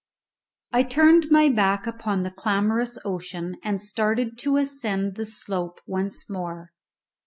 I turned my back upon the clamorous ocean and started to ascend the slope once more.